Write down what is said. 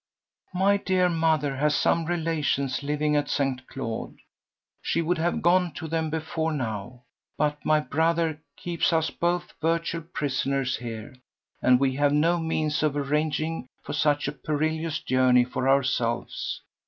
"My dear mother has some relations living at St. Claude. She would have gone to them before now, but my brother keeps us both virtual prisoners here, and we have no means of arranging for such a perilous journey for ourselves.